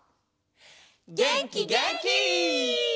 げんきげんき！